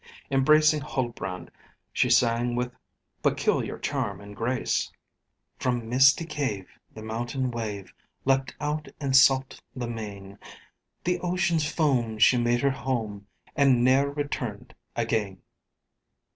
Embracing Huldbrand, she sang with peculiar charm and grace: "From misty cave the mountain wave Leapt out and sought the main! The Ocean's foam she made her home, And ne'er returned again."